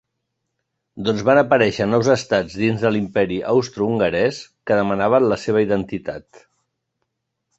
Doncs van aparèixer nous estats dins de l'Imperi Austrohongarès que demanaven la seva identitat.